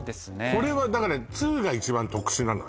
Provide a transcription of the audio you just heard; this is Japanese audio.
これはだから２が一番特殊なのね